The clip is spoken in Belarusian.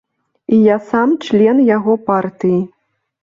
І я сам член яго партыі.